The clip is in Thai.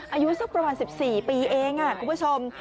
อายุสักประมาณ๑๔ปีเองคุณผู้ชม